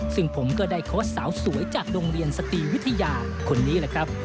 ซึ่งผมก็ได้โค้ชสาวสวยจากโรงเรียนสตรีวิทยาคนนี้แหละครับ